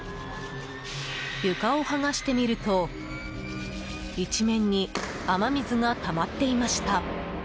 床を剥がしてみると一面に雨水がたまっていました。